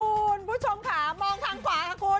ทางกูนผู้ชมค่ะมองทางขวางค่ะคุณ